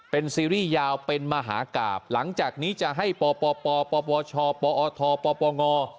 เป็นซีรีส์ยาวเป็นมหากราบหลังจากนี้จะให้ปปปชปอทปปง